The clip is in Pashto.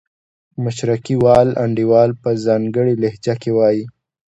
مشرقي وال انډیوال په ځانګړې لهجه کې وایي.